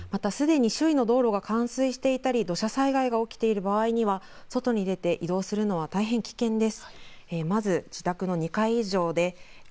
雨の勢いが強くて周囲の様子が見えなかったり、またすでに周囲の道路が冠水していたり土砂災害が起きている場合には外に出て移動するのは大変危険です。